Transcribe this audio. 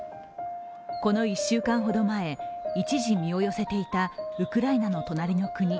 この１週間ほど前、一時身を寄せていたウクライナの隣の国